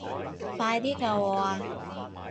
快啲救我啊